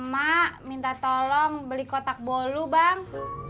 mak minta tolong beli kotak bolu bang